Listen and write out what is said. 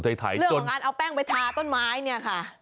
เรื่องของการเอาแป้งไปทาต้นไม้เนี่ยค่ะ